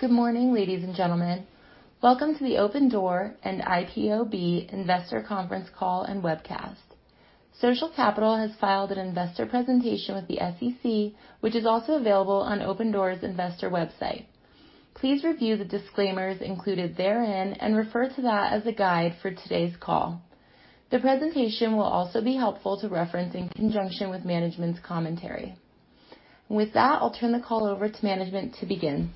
Good morning, ladies and gentlemen. Welcome to the Opendoor and IPOB investor conference call and webcast. Social Capital has filed an investor presentation with the SEC, which is also available on Opendoor's investor website. Please review the disclaimers included therein and refer to that as a guide for today's call. The presentation will also be helpful to reference in conjunction with management's commentary. With that, I'll turn the call over to management to begin.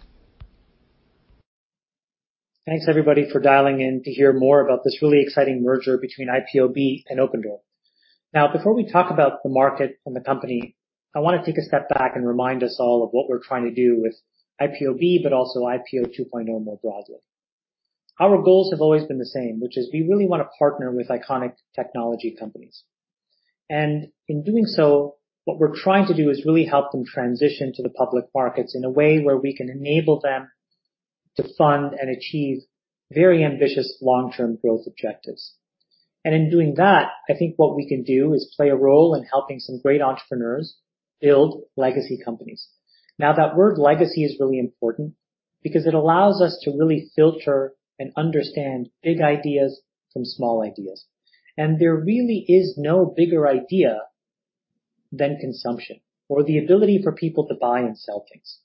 Thanks everybody for dialing in to hear more about this really exciting merger between IPOB and Opendoor. Before we talk about the market and the company, I want to take a step back and remind us all of what we're trying to do with IPOB, but also IPO 2.0 more broadly. Our goals have always been the same, which is we really want to partner with iconic technology companies. In doing so, what we're trying to do is really help them transition to the public markets in a way where we can enable them to fund and achieve very ambitious long-term growth objectives. In doing that, I think what we can do is play a role in helping some great entrepreneurs build legacy companies. That word legacy is really important because it allows us to really filter and understand big ideas from small ideas. There really is no bigger idea than consumption or the ability for people to buy and sell things.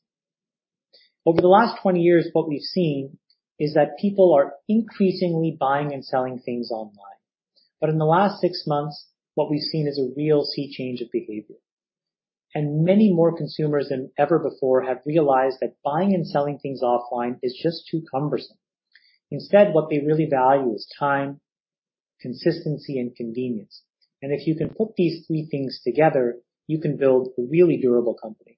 Over the last 20 years, what we've seen is that people are increasingly buying and selling things online. In the last six months, what we've seen is a real sea change of behavior, and many more consumers than ever before have realized that buying and selling things offline is just too cumbersome. Instead, what they really value is time, consistency, and convenience. If you can put these three things together, you can build a really durable company.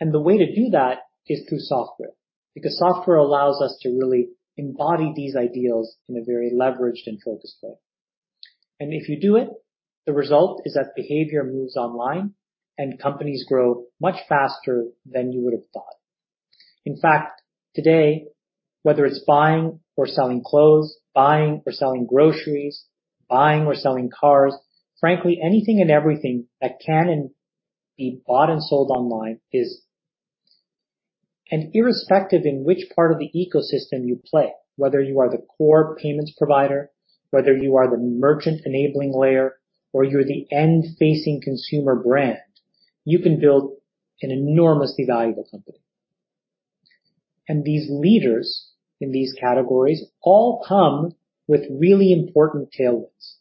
The way to do that is through software, because software allows us to really embody these ideals in a very leveraged and focused way. If you do it, the result is that behavior moves online and companies grow much faster than you would have thought. In fact, today, whether it's buying or selling clothes, buying or selling groceries, buying or selling cars, frankly, anything and everything that can be bought and sold online is. Irrespective in which part of the ecosystem you play, whether you are the core payments provider, whether you are the merchant-enabling layer, or you're the end-facing consumer brand, you can build an enormously valuable company. These leaders in these categories all come with really important tailwinds.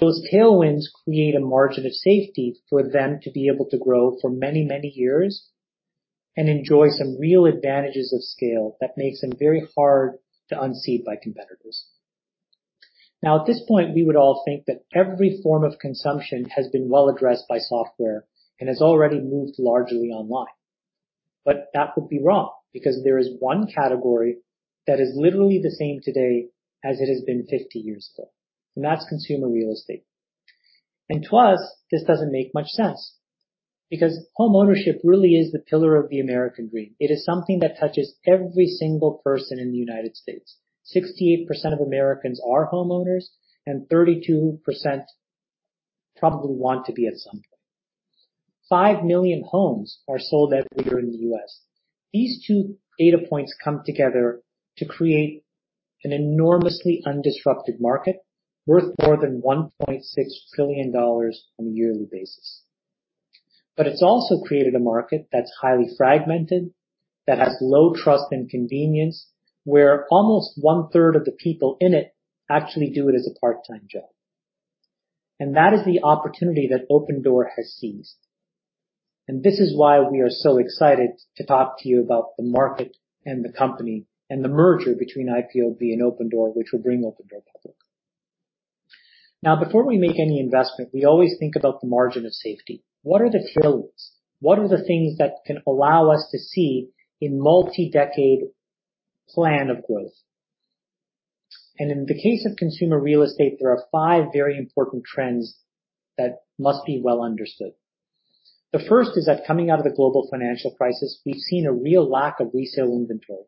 Those tailwinds create a margin of safety for them to be able to grow for many, many years and enjoy some real advantages of scale that makes them very hard to unseat by competitors. Now, at this point, we would all think that every form of consumption has been well addressed by software and has already moved largely online. That would be wrong because there is one category that is literally the same today as it has been 50 years ago, and that's consumer real estate. To us, this doesn't make much sense because homeownership really is the pillar of the American dream. It is something that touches every single person in the U.S. 68% of Americans are homeowners, and 32% probably want to be at some point. 5 million homes are sold every year in the U.S. These two data points come together to create an enormously undisrupted market worth more than $1.6 trillion on a yearly basis. It's also created a market that's highly fragmented, that has low trust and convenience, where almost 1/3 of the people in it actually do it as a part-time job. That is the opportunity that Opendoor has seized. This is why we are so excited to talk to you about the market and the company and the merger between IPOB and Opendoor, which will bring Opendoor public. Before we make any investment, we always think about the margin of safety. What are the tailwinds? What are the things that can allow us to see a multi-decade plan of growth? In the case of consumer real estate, there are five very important trends that must be well understood. The first is that coming out of the global financial crisis, we've seen a real lack of resale inventory.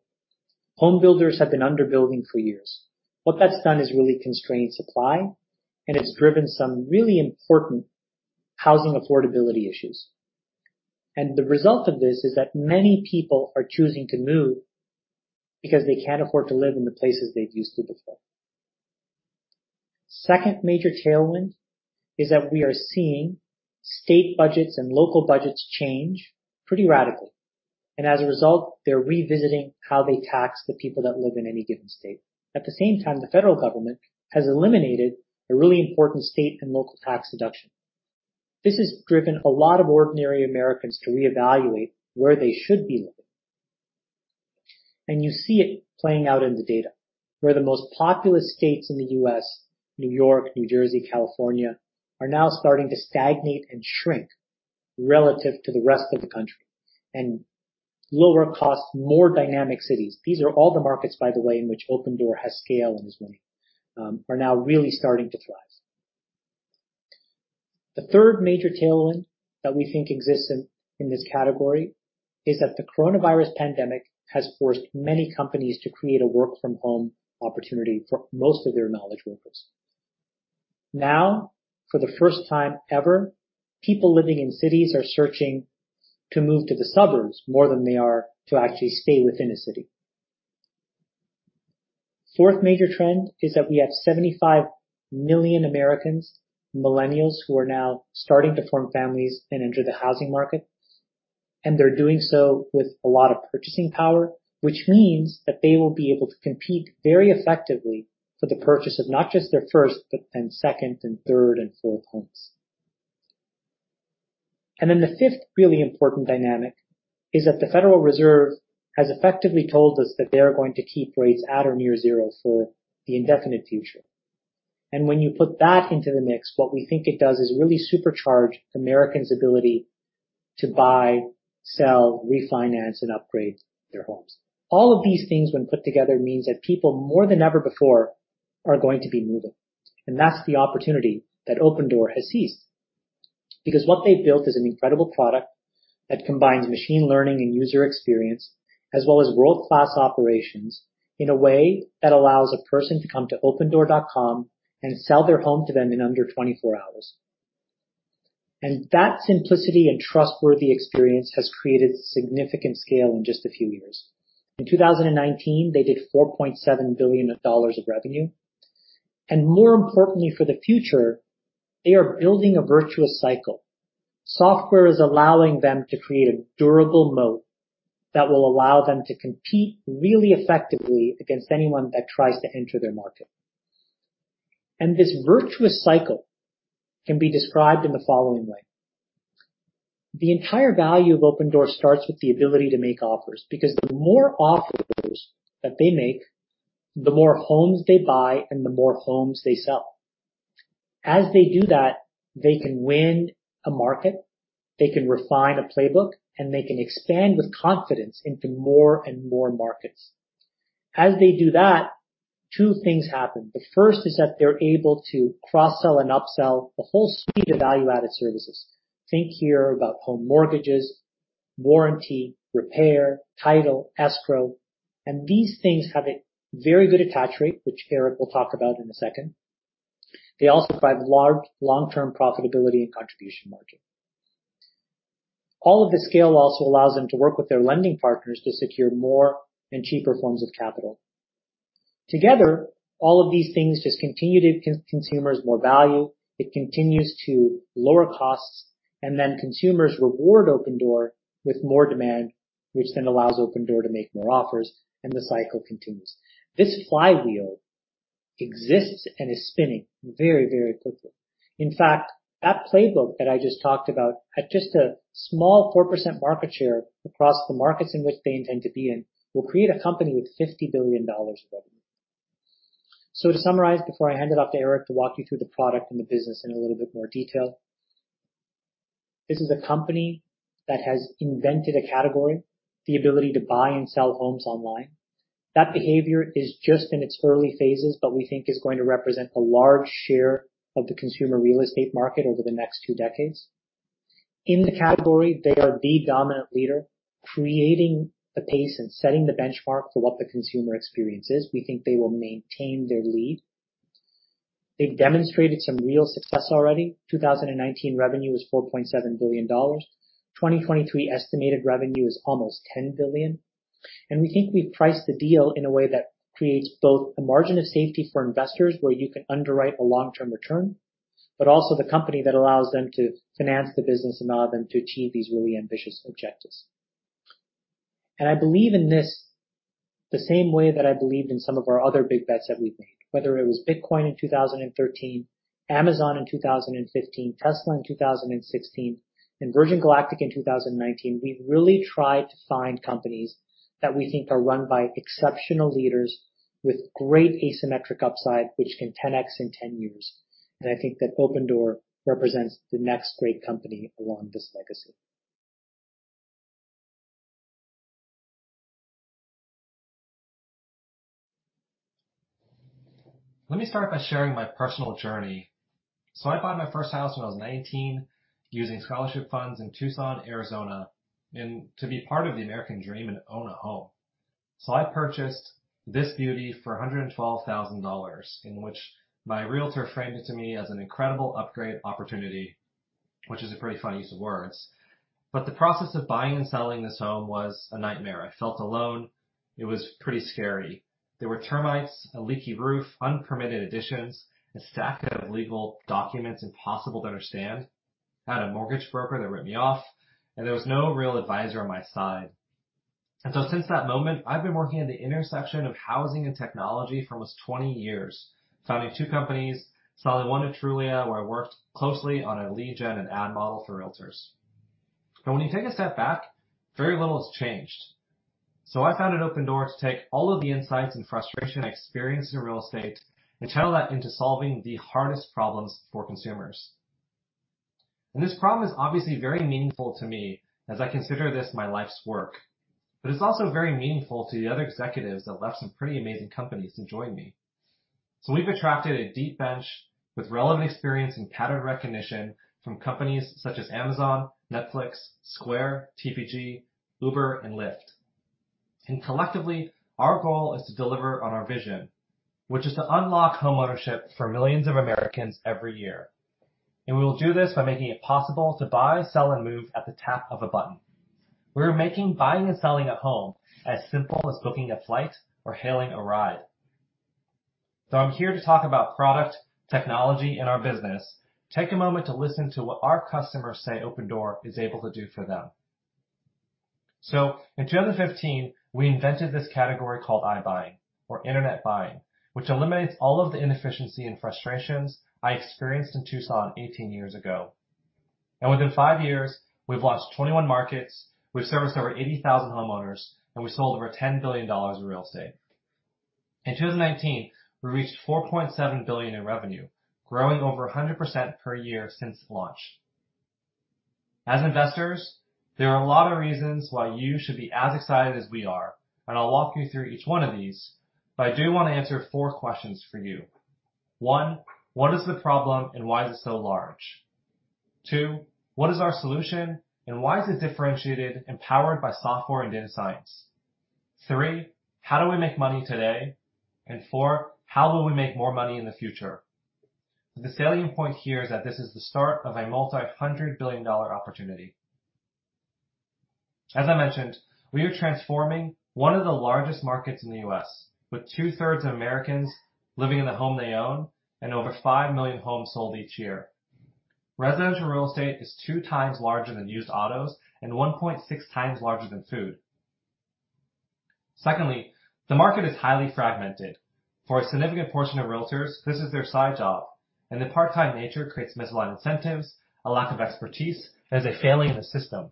Home builders have been under-building for years. What that's done is really constrained supply, and it's driven some really important housing affordability issues. The result of this is that many people are choosing to move because they can't afford to live in the places they've used to before. Second major tailwind is that we are seeing state budgets and local budgets change pretty radically. As a result, they're revisiting how they tax the people that live in any given state. At the same time, the federal government has eliminated a really important state and local tax deduction. This has driven a lot of ordinary Americans to reevaluate where they should be living. You see it playing out in the data, where the most populous states in the U.S., New York, New Jersey, California, are now starting to stagnate and shrink relative to the rest of the country. Lower cost, more dynamic cities, these are all the markets, by the way, in which Opendoor has scale and is winning, are now really starting to thrive. The third major tailwind that we think exists in this category is that the coronavirus pandemic has forced many companies to create a work-from-home opportunity for most of their knowledge workers. Now, for the first time ever, people living in cities are searching to move to the suburbs more than they are to actually stay within a city. Fourth major trend is that we have 75 million Americans, millennials, who are now starting to form families and enter the housing market, and they're doing so with a lot of purchasing power, which means that they will be able to compete very effectively for the purchase of not just their first, but then second and third and fourth homes. The fifth really important dynamic is that the Federal Reserve has effectively told us that they are going to keep rates at or near zero for the indefinite future. When you put that into the mix, what we think it does is really supercharge Americans' ability to buy, sell, refinance, and upgrade their homes. All of these things, when put together, means that people, more than ever before, are going to be moving. That's the opportunity that Opendoor has seized. Because what they've built is an incredible product that combines machine learning and user experience, as well as world-class operations in a way that allows a person to come to opendoor.com and sell their home to them in under 24 hours. That simplicity and trustworthy experience has created significant scale in just a few years. In 2019, they did $4.7 billion of revenue. More importantly for the future, they are building a virtuous cycle. Software is allowing them to create a durable moat that will allow them to compete really effectively against anyone that tries to enter their market. This virtuous cycle can be described in the following way. The entire value of Opendoor starts with the ability to make offers, because the more offers that they make, the more homes they buy and the more homes they sell. As they do that, they can win a market, they can refine a playbook, and they can expand with confidence into more and more markets. As they do that, two things happen. The first is that they're able to cross-sell and upsell a whole suite of value-added services. Think here about home mortgages, warranty, repair, Title and Escrow. These things have a very good attach rate, which Eric will talk about in a second. They also provide long-term profitability and contribution margin. All of this scale also allows them to work with their lending partners to secure more and cheaper forms of capital. Together, all of these things just continue to give consumers more value, it continues to lower costs, and then consumers reward Opendoor with more demand, which then allows Opendoor to make more offers, and the cycle continues. This flywheel exists and is spinning very, very quickly. In fact, that playbook that I just talked about at just a small 4% market share across the markets in which they intend to be in, will create a company with $50 billion of revenue. To summarize before I hand it off to Eric to walk you through the product and the business in a little bit more detail. This is a company that has invented a category, the ability to buy and sell homes online. That behavior is just in its early phases, but we think is going to represent a large share of the consumer real estate market over the next two decades. In the category, they are the dominant leader, creating the pace and setting the benchmark for what the consumer experience is. We think they will maintain their lead. They've demonstrated some real success already. 2019 revenue is $4.7 billion. 2023 estimated revenue is almost $10 billion. And we think we've priced the deal in a way that creates both a margin of safety for investors where you can underwrite a long-term return, but also the company that allows them to finance the business and allow them to achieve these really ambitious objectives. I believe in this the same way that I believed in some of our other big bets that we've made. Whether it was Bitcoin in 2013, Amazon in 2015, Tesla in 2016, and Virgin Galactic in 2019. We've really tried to find companies that we think are run by exceptional leaders with great asymmetric upside, which can 10X in 10 years. I think that Opendoor represents the next great company along this legacy. Let me start by sharing my personal journey. I bought my first house when I was 19 using scholarship funds in Tucson, Arizona, and to be part of the American dream and own a home. I purchased this beauty for $112,000, in which my realtor framed it to me as an incredible upgrade opportunity, which is a pretty funny use of words. The process of buying and selling this home was a nightmare. I felt alone. It was pretty scary. There were termites, a leaky roof, unpermitted additions, a stack of legal documents impossible to understand. I had a mortgage broker that ripped me off, and there was no real advisor on my side. Since that moment, I've been working at the intersection of housing and technology for almost 20 years, founding two companies, selling one to Trulia, where I worked closely on a lead gen and ad model for realtors. When you take a step back, very little has changed. I founded Opendoor to take all of the insights and frustration I experienced in real estate and channel that into solving the hardest problems for consumers. This problem is obviously very meaningful to me as I consider this my life's work. It's also very meaningful to the other executives that left some pretty amazing companies to join me. We've attracted a deep bench with relevant experience and pattern recognition from companies such as Amazon, Netflix, Square, TPG, Uber, and Lyft. Collectively, our goal is to deliver on our vision, which is to unlock homeownership for millions of Americans every year. We will do this by making it possible to buy, sell, and move at the tap of a button. We're making buying and selling a home as simple as booking a flight or hailing a ride. Though I'm here to talk about product, technology, and our business, take a moment to listen to what our customers say Opendoor is able to do for them. In 2015, we invented this category called iBuying or internet buying, which eliminates all of the inefficiency and frustrations I experienced in Tucson 18 years ago. Within five years, we've launched 21 markets, we've serviced over 80,000 homeowners, and we sold over $10 billion in real estate. In 2019, we reached $4.7 billion in revenue, growing over 100% per year since launch. As investors, there are a lot of reasons why you should be as excited as we are, and I'll walk you through each one of these, but I do want to answer four questions for you. One, what is the problem and why is it so large? Two, what is our solution and why is it differentiated and powered by software and data science? Three, how do we make money today? Four, how will we make more money in the future? The salient point here is that this is the start of a multi-hundred billion dollar opportunity. As I mentioned, we are transforming one of the largest markets in the U.S. with 2/3 of Americans living in the home they own and over 5 million homes sold each year. Residential real estate is 2x larger than used autos and 1.6x larger than food. Secondly, the market is highly fragmented. For a significant portion of realtors, this is their side job, and the part-time nature creates misaligned incentives, a lack of expertise, and is a failing in the system.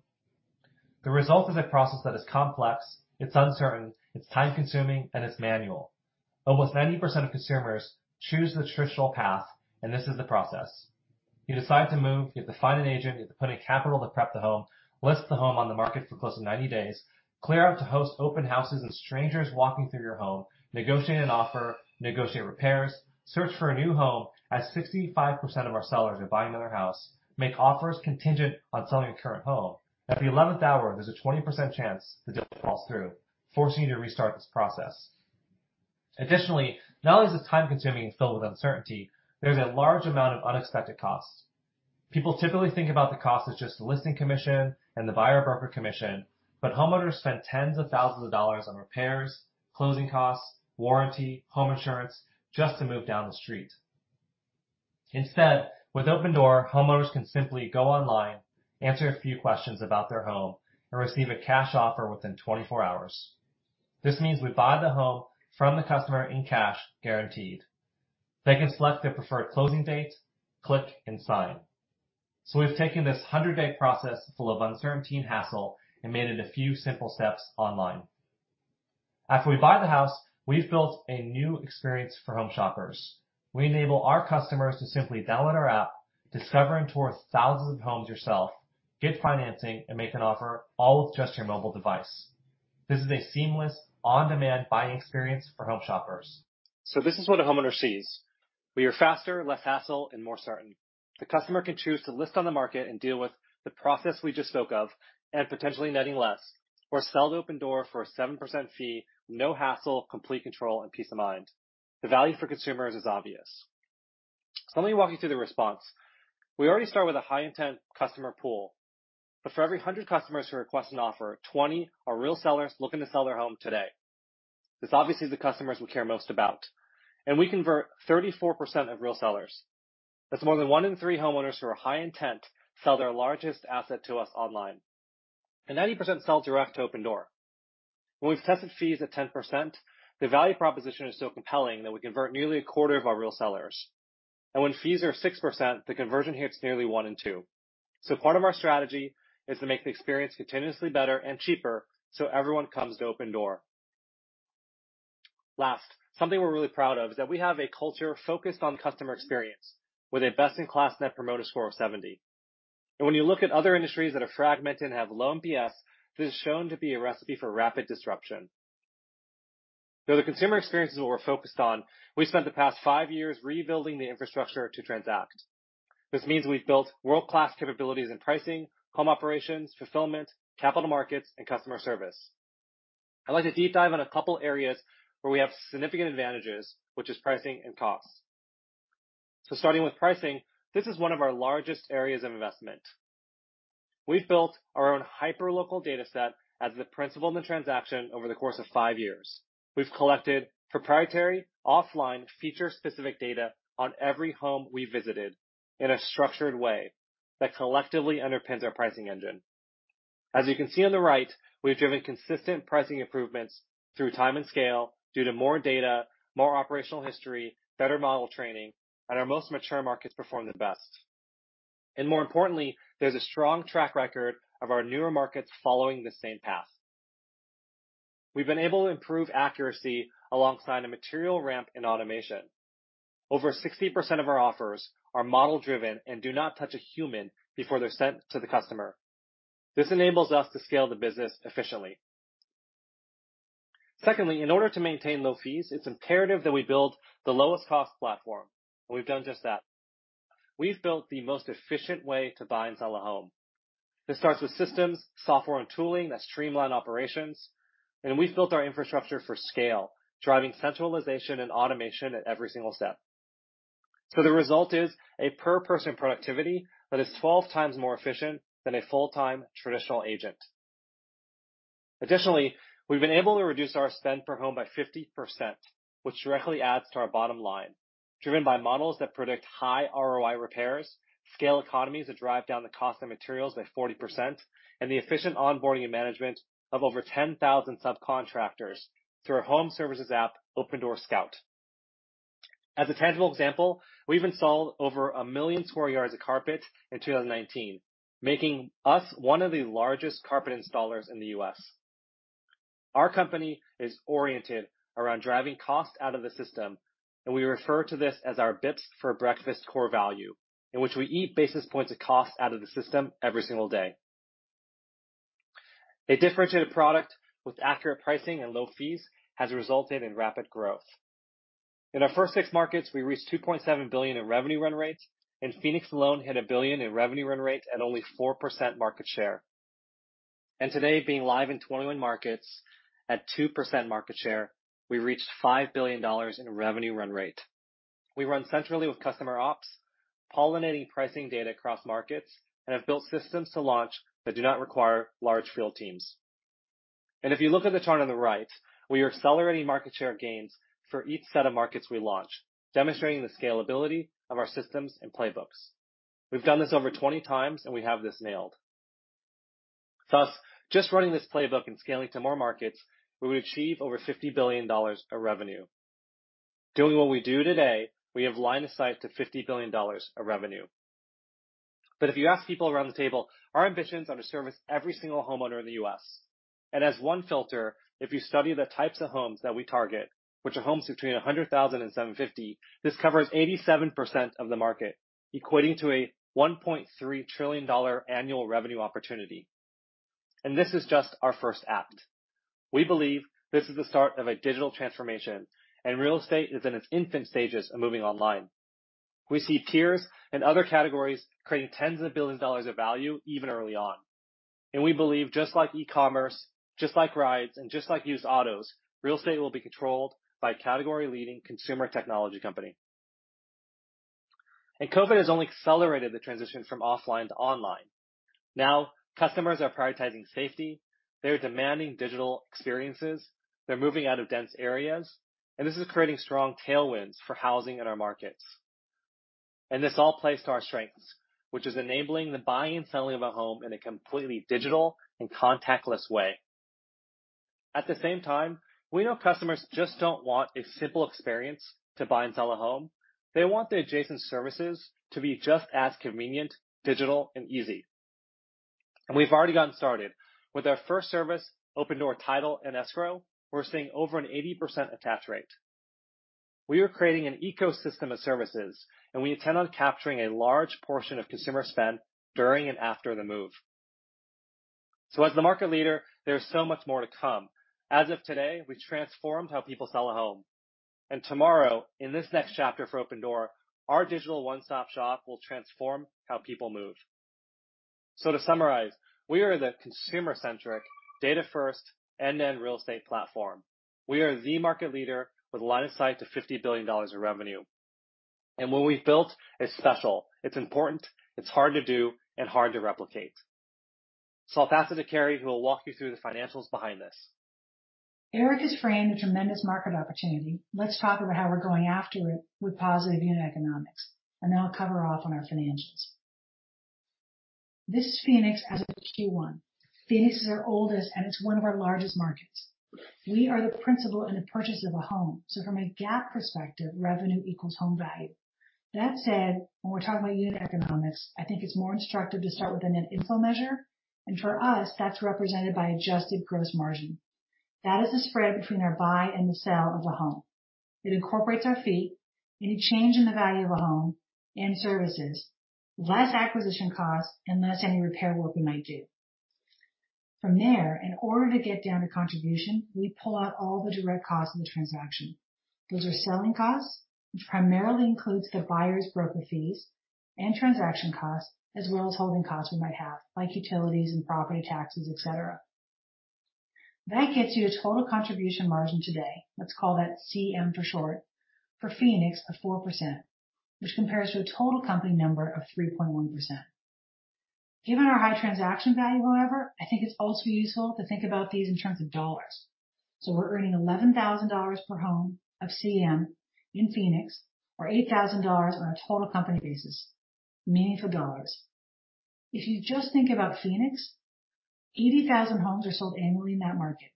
The result is a process that is complex, it's uncertain, it's time-consuming, and it's manual. Almost 90% of consumers choose the traditional path. This is the process. You decide to move, you have to find an agent, you have to put in capital to prep the home, list the home on the market for close to 90 days, clear out to host open houses and strangers walking through your home, negotiate an offer, negotiate repairs, search for a new home. As 65% of our sellers are buying another house, make offers contingent on selling a current home. At the 11th hour, there's a 20% chance the deal falls through, forcing you to restart this process. Additionally, not only is this time-consuming and filled with uncertainty, there's a large amount of unexpected costs. People typically think about the cost as just the listing commission and the buyer broker commission, but homeowners spend tens of thousands of dollars on repairs, closing costs, warranty, home insurance just to move down the street. Instead, with Opendoor, homeowners can simply go online, answer a few questions about their home, and receive a cash offer within 24 hours. This means we buy the home from the customer in cash, guaranteed. They can select their preferred closing date, click and sign. We've taken this 100-day process full of uncertainty and hassle and made it a few simple steps online. After we buy the house, we've built a new experience for home shoppers. We enable our customers to simply download our app, discover and tour thousands of homes yourself, get financing, and make an offer all with just your mobile device. This is a seamless, on-demand buying experience for home shoppers. This is what a homeowner sees. We are faster, less hassle, and more certain. The customer can choose to list on the market and deal with the process we just spoke of and potentially netting less. Sell to Opendoor for a 7% fee, no hassle, complete control, and peace of mind. The value for consumers is obvious. Let me walk you through the response. We already start with a high-intent customer pool, but for every 100 customers who request an offer, 20 are real sellers looking to sell their home today. This obviously is the customers we care most about, and we convert 34% of real sellers. That's more than one in three homeowners who are high intent sell their largest asset to us online, and 90% sell direct to Opendoor. When we've tested fees at 10%, the value proposition is so compelling that we convert nearly a quarter of our real sellers. When fees are 6%, the conversion hits nearly one in two. Part of our strategy is to make the experience continuously better and cheaper, so everyone comes to Opendoor. Last, something we're really proud of is that we have a culture focused on customer experience with a best-in-class Net Promoter Score of 70. When you look at other industries that are fragmented and have low NPS, this is shown to be a recipe for rapid disruption. Though the consumer experience is what we're focused on, we've spent the past five years rebuilding the infrastructure to transact. This means we've built world-class capabilities in pricing, home operations, fulfillment, capital markets, and customer service. I'd like to deep dive on a couple areas where we have significant advantages, which is pricing and costs. Starting with pricing, this is one of our largest areas of investment. We've built our own hyperlocal data set as the principal in the transaction over the course of five years. We've collected proprietary offline feature-specific data on every home we visited in a structured way that collectively underpins our pricing engine. As you can see on the right, we've driven consistent pricing improvements through time and scale due to more data, more operational history, better model training, and our most mature markets perform the best. More importantly, there's a strong track record of our newer markets following the same path. We've been able to improve accuracy alongside a material ramp in automation. Over 60% of our offers are model-driven and do not touch a human before they're sent to the customer. This enables us to scale the business efficiently. Secondly, in order to maintain low fees, it's imperative that we build the lowest cost platform. We've done just that. We've built the most efficient way to buy and sell a home. This starts with systems, software, and tooling that streamline operations, and we've built our infrastructure for scale, driving centralization and automation at every single step. The result is a per person productivity that is 12x more efficient than a full-time traditional agent. Additionally, we've been able to reduce our spend per home by 50%, which directly adds to our bottom line, driven by models that predict high ROI repairs, scale economies that drive down the cost of materials by 40%, and the efficient onboarding and management of over 10,000 subcontractors through our home services app, Opendoor Scout. As a tangible example, we've installed over a million square yards of carpet in 2019, making us one of the largest carpet installers in the U.S. Our company is oriented around driving costs out of the system. We refer to this as our Bips for Breakfast core value, in which we eat basis points of cost out of the system every single day. A differentiated product with accurate pricing and low fees has resulted in rapid growth. In our first six markets, we reached $2.7 billion in revenue run rate, and Phoenix alone hit $1 billion in revenue run rate at only 4% market share. Today, being live in 21 markets at 2% market share, we've reached $5 billion in revenue run rate. We run centrally with customer ops, pollinating pricing data across markets, and have built systems to launch that do not require large field teams. If you look at the chart on the right, we are accelerating market share gains for each set of markets we launch, demonstrating the scalability of our systems and playbooks. We've done this over 20 times, and we have this nailed. Thus, just running this playbook and scaling to more markets, we would achieve over $50 billion of revenue. Doing what we do today, we have line of sight to $50 billion of revenue. If you ask people around the table, our ambition is to service every single homeowner in the U.S. As one filter, if you study the types of homes that we target, which are homes between $100,000 and $750,000, this covers 87% of the market, equating to a $1.3 trillion annual revenue opportunity. This is just our first act. We believe this is the start of a digital transformation, and real estate is in its infant stages of moving online. We see peers and other categories creating tens of billions of dollars of value even early on. We believe just like e-commerce, just like rides, and just like used autos, real estate will be controlled by a category-leading consumer technology company. COVID has only accelerated the transition from offline to online. Now, customers are prioritizing safety. They're demanding digital experiences. They're moving out of dense areas, and this is creating strong tailwinds for housing in our markets. This all plays to our strengths, which is enabling the buying and selling of a home in a completely digital and contactless way. At the same time, we know customers just don't want a simple experience to buy and sell a home. They want the adjacent services to be just as convenient, digital, and easy. We've already gotten started. With our first service, Opendoor Title and Escrow, we're seeing over an 80% attach rate. We are creating an ecosystem of services, and we intend on capturing a large portion of consumer spend during and after the move. As the market leader, there is so much more to come. As of today, we've transformed how people sell a home. Tomorrow, in this next chapter for Opendoor, our digital one-stop-shop will transform how people move. To summarize, we are the consumer-centric, data-first, end-to-end real estate platform. We are the market leader with a line of sight to $50 billion of revenue. What we've built is special. It's important, it's hard to do, and hard to replicate. I'll pass it to Carrie, who will walk you through the financials behind this. Eric has framed a tremendous market opportunity. Let's talk about how we're going after it with positive unit economics. Then I'll cover off on our financials. This is Phoenix as of Q1. Phoenix is our oldest, and it's one of our largest markets. We are the principal in the purchase of a home. From a GAAP perspective, revenue equals home value. That said, when we're talking about unit economics, I think it's more instructive to start with a net inflow measure. For us, that's represented by adjusted gross margin. That is the spread between our buy and the sell of a home. It incorporates our fee, any change in the value of a home, and services, less acquisition costs and less any repair work we might do. From there, in order to get down to contribution, we pull out all the direct costs of the transaction. Those are selling costs, which primarily includes the buyer's broker fees and transaction costs, as well as holding costs we might have, like utilities and property taxes, etc. That gets you a total contribution margin today, let's call that CM for short, for Phoenix of 4%, which compares to a total company number of 3.1%. Given our high transaction value, however, I think it's also useful to think about these in terms of dollars. We're earning $11,000 per home of CM in Phoenix or $8,000 on a total company basis, meaningful dollars. If you just think about Phoenix, 80,000 homes are sold annually in that market.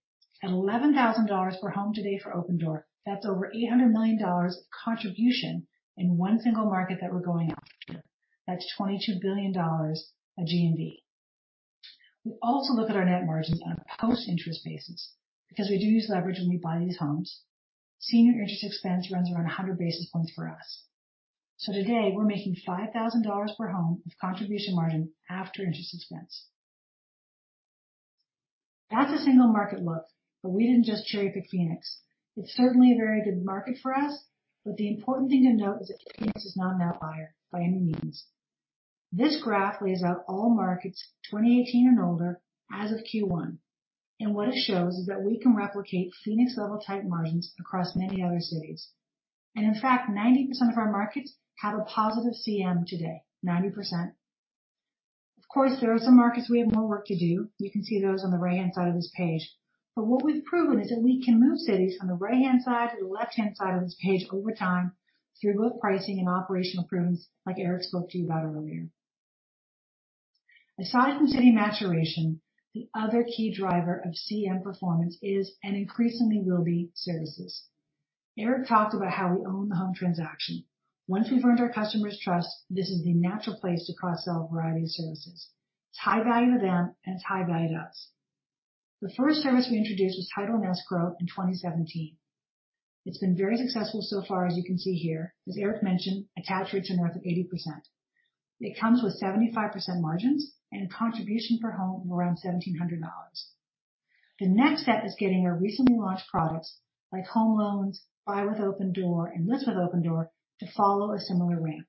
At $11,000 per home today for Opendoor, that's over $800 million of contribution in one single market that we're going after. That's $22 billion of GMV. We also look at our net margins on a post-interest basis because we do use leverage when we buy these homes. Senior interest expense runs around 100 basis points for us. Today, we're making $5,000 per home of contribution margin after interest expense. That's a single market look, we didn't just cherry-pick Phoenix. It's certainly a very good market for us, but the important thing to note is that Phoenix is not an outlier by any means. This graph lays out all markets 2018 and older as of Q1, and what it shows is that we can replicate Phoenix-level type margins across many other cities. In fact, 90% of our markets have a positive CM today. 90%. Of course, there are some markets we have more work to do. You can see those on the right-hand side of this page. What we've proven is that we can move cities from the right-hand side to the left-hand side of this page over time through both pricing and operational improvements, like Eric spoke to you about earlier. Aside from city maturation, the other key driver of CM performance is, and increasingly will be, services. Eric talked about how we own the home transaction. Once we've earned our customer's trust, this is the natural place to cross-sell a variety of services. It's high value to them, and it's high value to us. The first service we introduced was Title and Escrow in 2017. It's been very successful so far, as you can see here. As Eric mentioned, attach rates are north of 80%. It comes with 75% margins and a contribution per home of around $1,700. The next step is getting our recently launched products like Home Loans, Buy with Opendoor, and List with Opendoor to follow a similar ramp.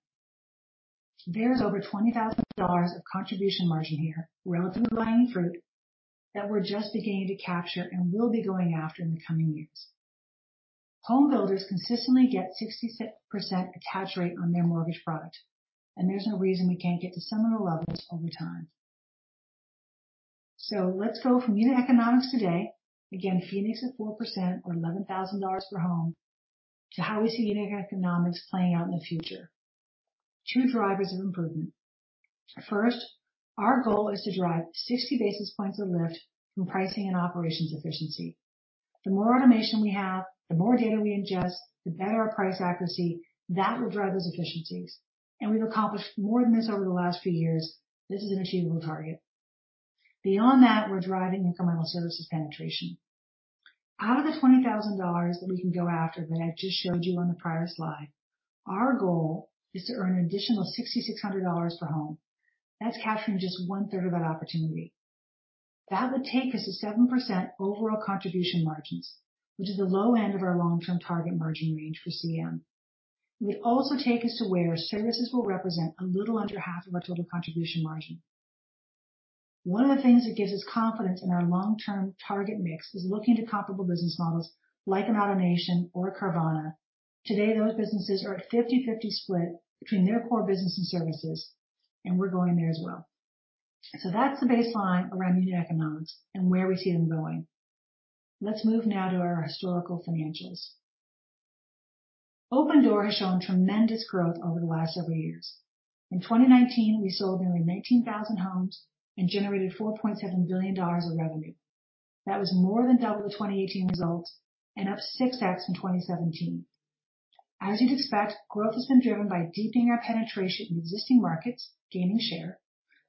There's over $20,000 of contribution margin here, relatively low-hanging fruit, that we're just beginning to capture and will be going after in the coming years. There's no reason we can't get to similar levels over time. Let's go from unit economics today, again, Phoenix at 4% or $11,000 per home, to how we see unit economics playing out in the future. Two drivers of improvement. First, our goal is to drive 60 basis points of lift from pricing and operations efficiency. The more automation we have, the more data we ingest, the better our price accuracy. That will drive those efficiencies. We've accomplished more than this over the last few years. This is an achievable target. Beyond that, we're driving incremental services penetration. Out of the $20,000 that we can go after that I just showed you on the prior slide, our goal is to earn an additional $6,600 per home. That's capturing just one-third of that opportunity. That would take us to 7% overall contribution margins, which is the low end of our long-term target margin range for CM. It would also take us to where services will represent a little under half of our total contribution margin. One of the things that gives us confidence in our long-term target mix is looking to comparable business models like an AutoNation or a Carvana. Today, those businesses are at 50/50 split between their core business and services, and we're going there as well. That's the baseline around unit economics and where we see them going. Let's move now to our historical financials. Opendoor has shown tremendous growth over the last several years. In 2019, we sold nearly 19,000 homes and generated $4.7 billion of revenue. That was more than double the 2018 results and up 6x from 2017. As you'd expect, growth has been driven by deepening our penetration in existing markets, gaining share,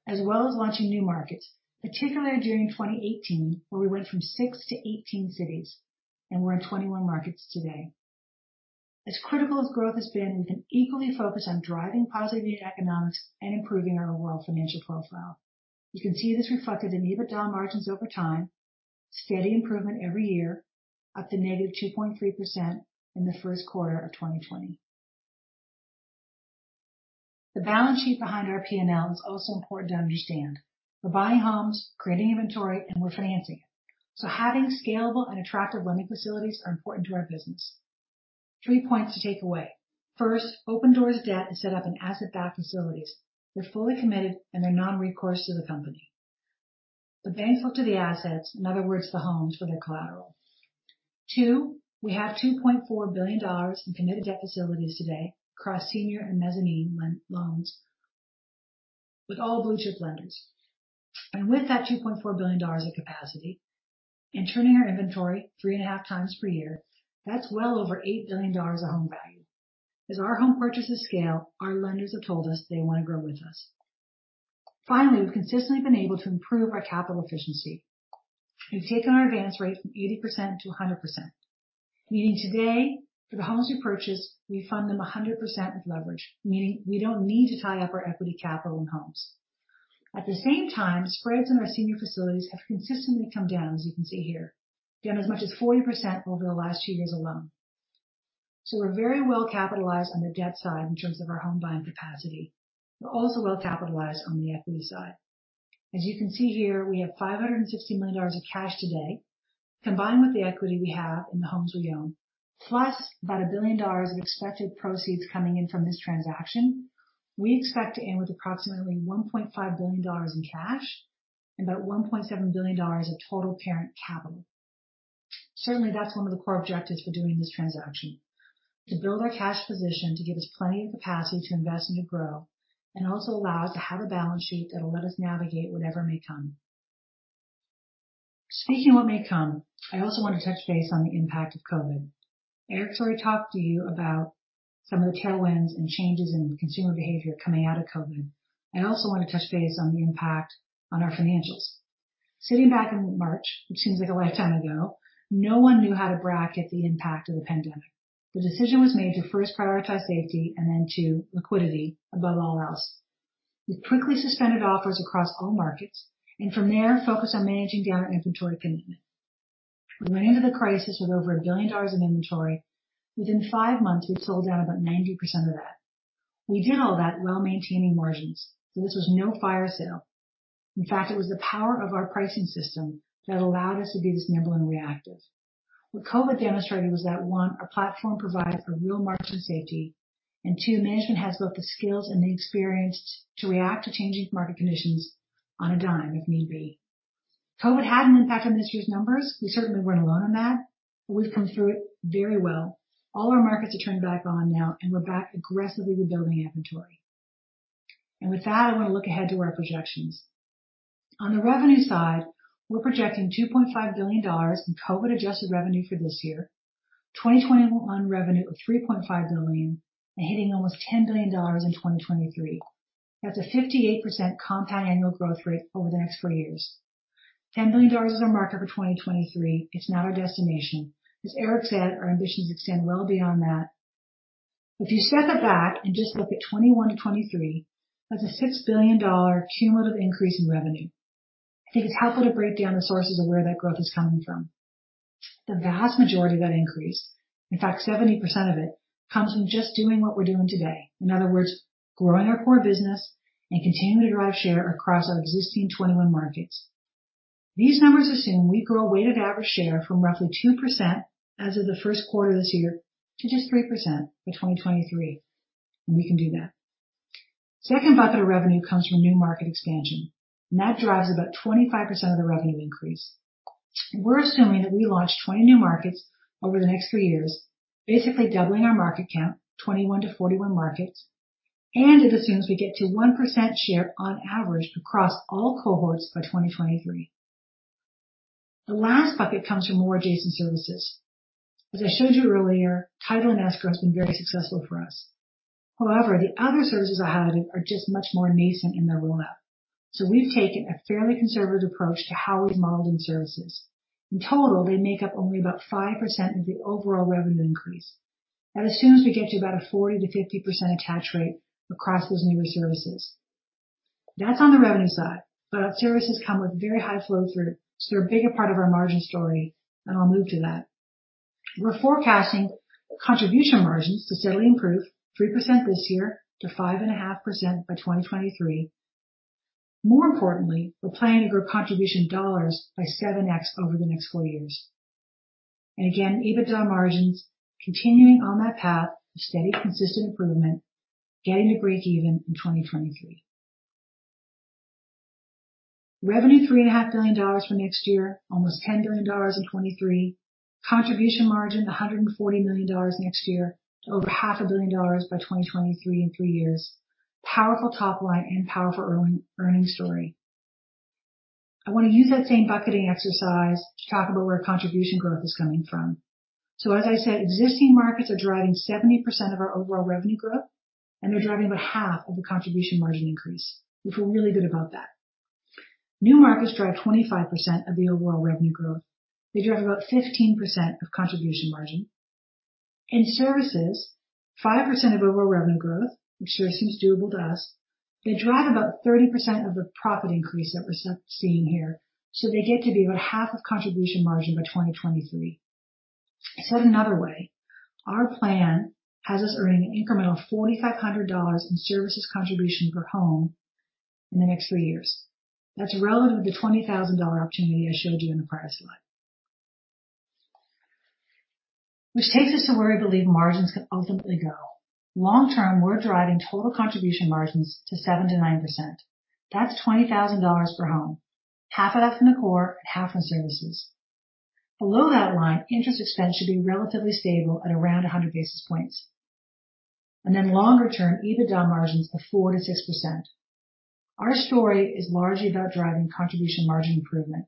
as well as launching new markets, particularly during 2018, where we went from 6-18 cities, and we're in 21 markets today. As critical as growth has been, we've been equally focused on driving positive unit economics and improving our overall financial profile. You can see this reflected in EBITDA margins over time, steady improvement every year, up to -2.3% in the first quarter of 2020. The balance sheet behind our P&L is also important to understand. We're buying homes, creating inventory, and we're financing it. Having scalable and attractive lending facilities are important to our business. Three points to take away. First, Opendoor's debt is set up in asset-backed facilities. They're fully committed, and they're non-recourse to the company. The banks look to the assets, in other words, the homes, for their collateral. Two, we have $2.4 billion in committed debt facilities today across senior and mezzanine loans with all blue-chip lenders. With that $2.4 billion of capacity and turning our inventory three and a half times per year, that's well over $8 billion of home value. As our home purchases scale, our lenders have told us they want to grow with us. Finally, we've consistently been able to improve our capital efficiency. We've taken our advance rate from 80%-100%, meaning today, for the homes we purchase, we fund them 100% with leverage, meaning we don't need to tie up our equity capital in homes. At the same time, spreads on our senior facilities have consistently come down, as you can see here, down as much as 40% over the last two years alone. We're very well capitalized on the debt side in terms of our home buying capacity. We're also well capitalized on the equity side. As you can see here, we have $560 million of cash today, combined with the equity we have in the homes we own, plus about $1 billion of expected proceeds coming in from this transaction. We expect to end with approximately $1.5 billion in cash and about $1.7 billion of total parent capital. Certainly, that's one of the core objectives for doing this transaction, to build our cash position to give us plenty of capacity to invest and to grow, and also allow us to have a balance sheet that will let us navigate whatever may come. Speaking of what may come, I also want to touch base on the impact of COVID. Eric's already talked to you about some of the tailwinds and changes in consumer behavior coming out of COVID. I also want to touch base on the impact on our financials. Sitting back in March, which seems like a lifetime ago, no one knew how to bracket the impact of the pandemic. The decision was made to first prioritize safety and then to liquidity above all else. We quickly suspended offers across all markets, and from there, focused on managing down our inventory commitment. We went into the crisis with over $1 billion in inventory. Within five months, we'd sold down about 90% of that. We did all that while maintaining margins. This was no fire sale. In fact, it was the power of our pricing system that allowed us to be this nimble and reactive. What COVID demonstrated was that, one, our platform provides a real margin of safety, and two, management has both the skills and the experience to react to changing market conditions on a dime, if need be. COVID had an impact on this year's numbers. We certainly weren't alone in that. We've come through it very well. All our markets are turned back on now. We're back aggressively rebuilding inventory. With that, I want to look ahead to our projections. On the revenue side, we're projecting $2.5 billion in COVID-adjusted revenue for this year, 2021 revenue of $3.5 billion, and hitting almost $10 billion in 2023. That's a 58% compound annual growth rate over the next four years. $10 billion is our marker for 2023. It's not our destination. As Eric said, our ambitions extend well beyond that. If you step back and just look at 2021-2023, that's a $6 billion cumulative increase in revenue. I think it's helpful to break down the sources of where that growth is coming from. The vast majority of that increase, in fact, 70% of it, comes from just doing what we're doing today. In other words, growing our core business and continuing to drive share across our existing 21 markets. These numbers assume we grow weighted average share from roughly 2% as of the first quarter of this year to just 3% by 2023. We can do that. Second bucket of revenue comes from new market expansion. That drives about 25% of the revenue increase. We're assuming that we launch 20 new markets over the next three years, basically doubling our market count, 21-41 markets, and it assumes we get to 1% share on average across all cohorts by 2023. The last bucket comes from more adjacent services. As I showed you earlier, title and escrow has been very successful for us. However, the other services I highlighted are just much more nascent in their rollout. We've taken a fairly conservative approach to how we've modeled in services. In total, they make up only about 5% of the overall revenue increase. That assumes we get to about a 40%-50% attach rate across those newer services. That's on the revenue side, but our services come with very high flow-through, so they're a bigger part of our margin story, and I'll move to that. We're forecasting contribution margins to steadily improve 3% this year to 5.5% by 2023. More importantly, we're planning to grow contribution dollars by 7x over the next four years. EBITDA margins continuing on that path of steady, consistent improvement, getting to break even in 2023. Revenue $3.5 billion for next year, almost $10 billion in 2023. Contribution margin, $140 million next year to over $500 million by 2023 in three years. Powerful top line and powerful earning story. I want to use that same bucketing exercise to talk about where contribution growth is coming from. As I said, existing markets are driving 70% of our overall revenue growth, and they're driving about half of the contribution margin increase. We feel really good about that. New markets drive 25% of the overall revenue growth. They drive about 15% of contribution margin. In services, 5% of overall revenue growth, which sure seems doable to us, they drive about 30% of the profit increase that we're seeing here. They get to be about half of contribution margin by 2023. Said another way, our plan has us earning an incremental $4,500 in services contribution per home in the next three years. That's relevant to the $20,000 opportunity I showed you in the prior slide. Which takes us to where we believe margins can ultimately go. Long term, we're driving total contribution margins to 7%-9%. That's $20,000 per home, half of that from the core and half from services. Below that line, interest expense should be relatively stable at around 100 basis points. Longer term, EBITDA margins of 4%-6%. Our story is largely about driving contribution margin improvement.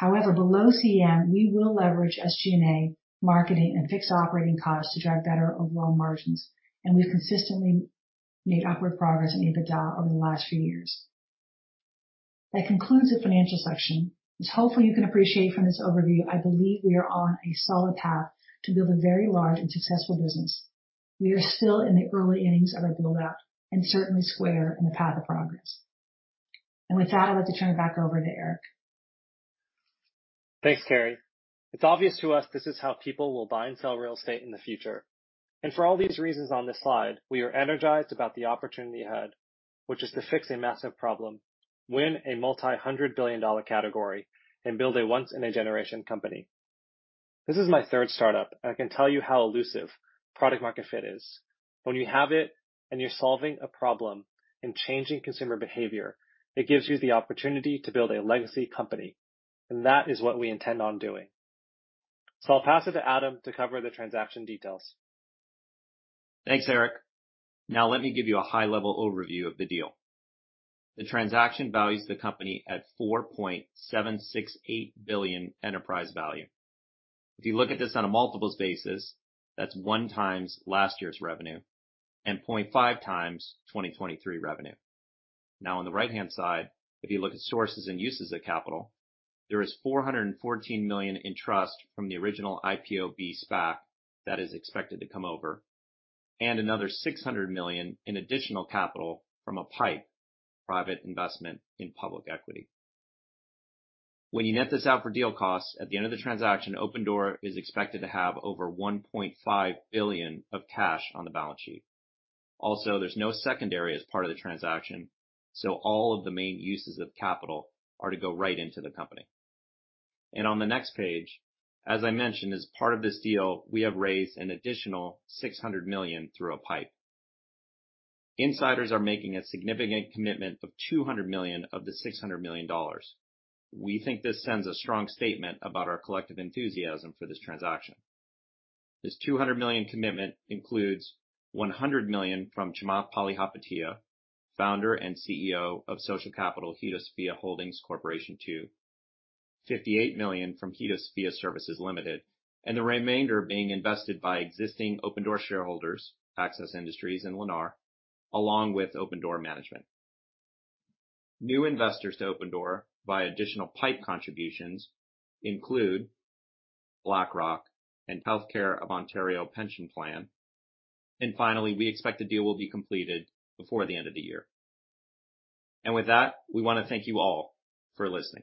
Below CM, we will leverage SG&A, marketing, and fixed operating costs to drive better overall margins, and we've consistently made upward progress in EBITDA over the last few years. That concludes the financial section. As hopefully you can appreciate from this overview, I believe we are on a solid path to build a very large and successful business. We are still in the early innings of our build-out and certainly square in the path of progress. With that, I'd like to turn it back over to Eric. Thanks, Carrie. It's obvious to us this is how people will buy and sell real estate in the future. For all these reasons on this slide, we are energized about the opportunity ahead, which is to fix a massive problem, win a multi-hundred billion-dollar category, and build a once-in-a-generation company. This is my third startup, I can tell you how elusive product market fit is. When you have it and you're solving a problem and changing consumer behavior, it gives you the opportunity to build a legacy company, and that is what we intend on doing. I'll pass it to Adam to cover the transaction details. Thanks, Eric. Now let me give you a high-level overview of the deal. The transaction values the company at $4.768 billion enterprise value. If you look at this on a multiples basis, that's 1x last year's revenue and 0.5x 2023 revenue. Now, on the right-hand side, if you look at sources and uses of capital, there is $414 million in trust from the original IPOB SPAC that is expected to come over, and another $600 million in additional capital from a PIPE, private investment in public equity. When you net this out for deal costs, at the end of the transaction, Opendoor is expected to have over $1.5 billion of cash on the balance sheet. Also, there's no secondary as part of the transaction, so all of the main uses of capital are to go right into the company. On the next page, as I mentioned, as part of this deal, we have raised an additional $600 million through a PIPE. Insiders are making a significant commitment of $200 million of the $600 million. We think this sends a strong statement about our collective enthusiasm for this transaction. This $200 million commitment includes $100 million from Chamath Palihapitiya, Founder and CEO of Social Capital Hedosophia Holdings Corp. II, $58 million from Hedosophia Services Limited, and the remainder being invested by existing Opendoor shareholders, Access Industries and Lennar, along with Opendoor management. New investors to Opendoor via additional PIPE contributions include BlackRock and Healthcare of Ontario Pension Plan. Finally, we expect the deal will be completed before the end of the year. With that, we want to thank you all for listening.